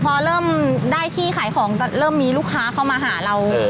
พอเริ่มได้ที่ขายของก็เริ่มมีลูกค้าเข้ามาหาเรา